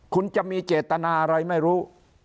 คุณจะมีเจตนาอะไรไม่รู้